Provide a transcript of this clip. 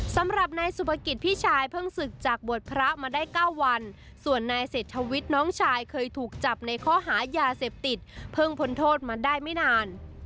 สำหรับนายสุภกิจพี่ชายเพิ่งศึกจากบวชพระมาได้๙วันส่วนนายเศรษฐวิทย์น้องชายเคยถูกจับในข้อหายาเสพติดเพิ่งพ้นโทษมาได้ไม่นาน